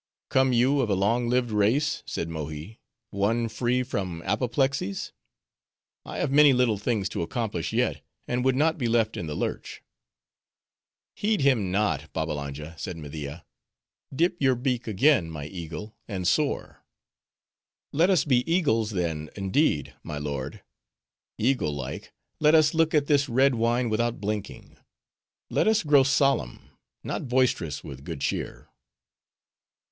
"Come you of a long lived race," said Mohi, "one free from apoplexies? I have many little things to accomplish yet, and would not be left in the lurch." "Heed him not, Babbalanja," said Media. "Dip your beak again, my eagle, and soar." "Let us be eagles, then, indeed, my lord: eagle like, let us look at this red wine without blinking; let us grow solemn, not boisterous, with good cheer."